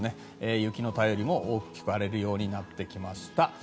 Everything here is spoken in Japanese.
雪の便りも聞かれるようになってきました。